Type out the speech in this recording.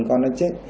con nó chết